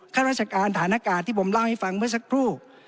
ข้าราชการฐานอากาศที่ผมเล่าให้ฟังเมื่อสักครู่